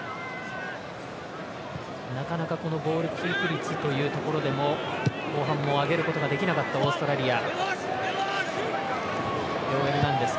なかなかボールキープ率というところでも後半も上げることができなかったオーストラリア。